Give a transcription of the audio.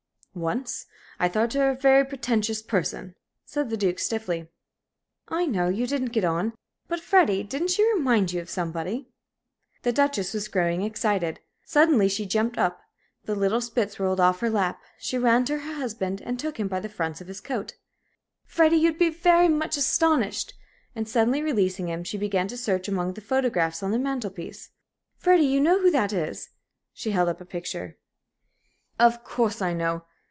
"Once. I thought her a very pretentious person," said the Duke, stiffly. "I know you didn't get on. But, Freddie, didn't she remind you of somebody?" The Duchess was growing excited. Suddenly she jumped up; the little spitz rolled off her lap; she ran to her husband and took him by the fronts of his coat. "Freddie, you'll be very much astonished." And suddenly releasing him, she began to search among the photographs on the mantel piece. "Freddie, you know who that is?" She held up a picture. "Of course I know.